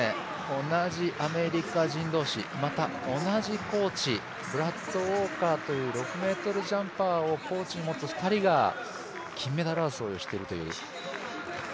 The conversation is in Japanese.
同じアメリカ人同士また同じコーチラット・ウォーカーという同じコーチを持つ２人が金メダル争いをしているという。